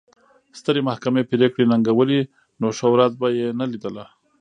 سترې محکمې پرېکړې ننګولې نو ښه ورځ به یې نه لیدله.